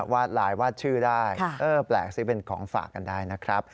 วาดไลน์วาดชื่อได้แปลกซื้อเป็นของฝากกันได้นะครับ